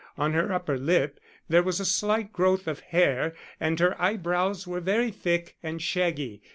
On her upper lip there was a slight growth of hair and her eyebrows were very thick and shaggy.